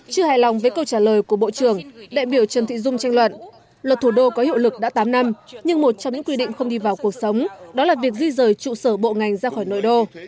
chưa hài lòng với câu trả lời của bộ trưởng đại biểu trần thị dung tranh luận luật thủ đô có hiệu lực đã tám năm nhưng một trong những quy định không đi vào cuộc sống đó là việc di rời trụ sở bộ ngành ra khỏi nội đô